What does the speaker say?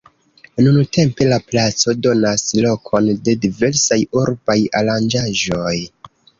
Nuntempe la placo donas lokon de diversaj urbaj aranĝaĵoj.